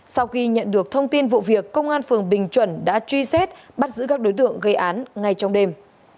sau khi nhận được thông tin vụ việc công an phường bình chuẩn đã truy xét bắt giữ các đối tượng gây án ngay trong đêm